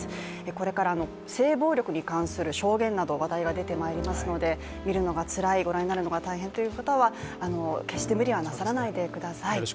これからの性暴力に関する証言など話題が出てきますので、見るのがつらい、ご覧になるのが大変という方は、決して無理はなさらないでください。